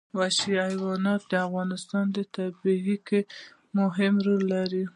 وحشي حیوانات د افغانستان په طبیعت کې مهم رول لري.